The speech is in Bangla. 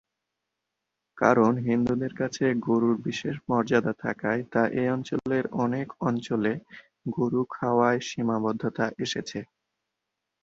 কারণ হিন্দুদের কাছে গরুর বিশেষ মর্যাদা থাকায় তা এই অঞ্চলের অনেক অঞ্চলে গরু খাওয়ায় সীমাবদ্ধতা এসেছে।